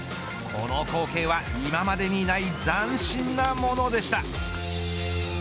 この光景は今までにない斬新なものでした。